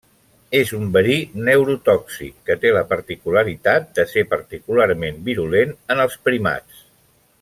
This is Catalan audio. És un verí neurotòxic que té la particularitat de ser particularment virulent en els primats.